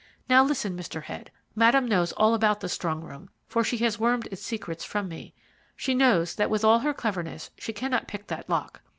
Now listen, Mr. Head. Madame knows all about the strong room, for she has wormed its secrets from me. She knows that with all her cleverness she cannot pick that lock.